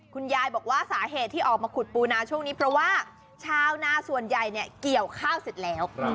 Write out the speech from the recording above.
คุณยายบอกว่าสาเหตุที่ออกมาขุดปูนาช่วงนี้เพราะว่าชาวนาส่วนใหญ่เนี่ยเกี่ยวข้าวเสร็จแล้ว